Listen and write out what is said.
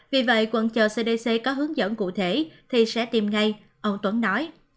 vì vậy quận chờ cdc có hướng dẫn cụ thể thì sẽ tìm ngay ông tuấn nói